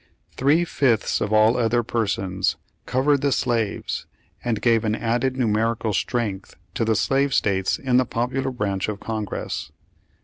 "Three fifths of all other persons" covered the slaves, and gave an added numerical strength to the slave states in the popular branch of Con gress.